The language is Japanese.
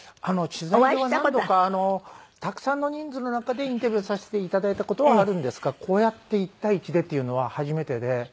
取材では何度かたくさんの人数の中でインタビューをさせて頂いた事はあるんですがこうやって一対一でっていうのは初めてで。